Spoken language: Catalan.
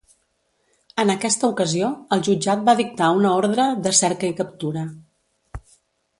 En aquesta ocasió, el jutjat va dictar una ordre de cerca i captura.